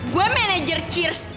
gua manajer cheers tiger yang baru